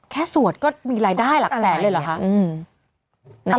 สวดก็มีรายได้หลักแสนเลยเหรอคะ